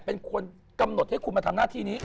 เป็นคนกำหนดให้คุณมาทำหน้าที่นี้